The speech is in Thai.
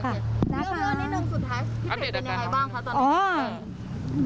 เรื่องนี้นังสุดท้ายที่เปลี่ยนเป็นยังไงบ้างคะตอนนี้